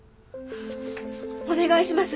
お願いします。